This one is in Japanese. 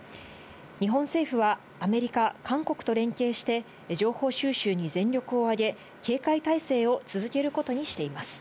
日本政府は、アメリカ、韓国と連携して、情報収集に全力を挙げ、警戒態勢を続けることにしています。